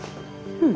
うん。